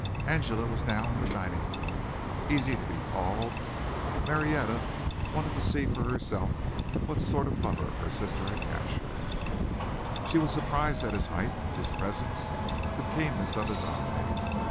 Angela was now in the dining room easy to be called but Marietta wanted to see for herself what sort of lover her sister had captured. She was surprised at his height, his presence, the keenness of his eyes.